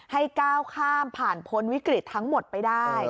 ให้ก้าวข้ามผ่านพ้นวิกฤตทั้งหมดไปได้